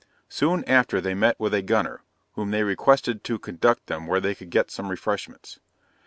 Soon after they met with a gunner, whom they requested to conduct them where they could get some refreshments.